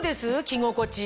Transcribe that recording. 着心地。